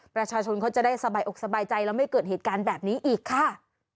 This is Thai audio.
ประชาชนเขาจะได้สบายอกสบายใจแล้วไม่เกิดเหตุการณ์แบบนี้อีกค่ะ